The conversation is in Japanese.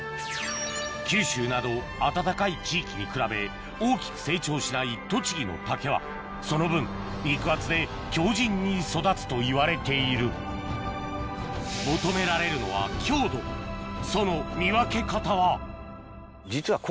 九州など暖かい地域に比べ大きく成長しない栃木の竹はその分肉厚で強靱に育つといわれている求められるのは強度実は。